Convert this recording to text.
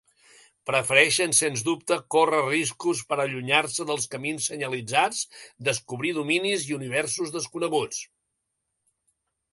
Prefereixen sens dubte córrer riscos per allunyar-se dels camins senyalitzats, descobrir dominis i universos desconeguts.